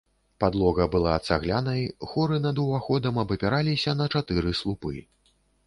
Падлога была цаглянай, хоры над уваходам абапіраліся на чатыры слупы.